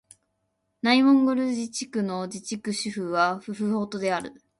内モンゴル自治区の自治区首府はフフホトである